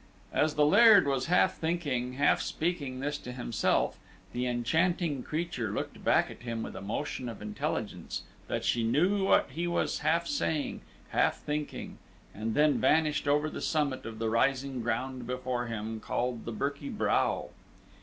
As the Laird was half thinking, half speaking this to himself, the enchanting creature looked back at him with a motion of intelligence that she knew what he was half saying, half thinking, and then vanished over the summit of the rising ground before him, called the Birky Brow.